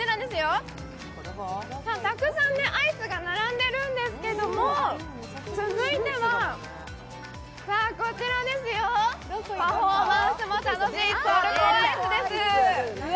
たくさんアイスが並んでるんですけども、続いては、パフォーマンスも楽しいトルコアイスです。